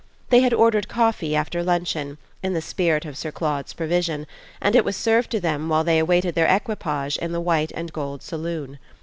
They had ordered coffee after luncheon, in the spirit of Sir Claude's provision, and it was served to them while they awaited their equipage in the white and gold saloon.